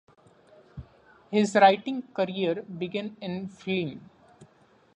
His writing career began in film.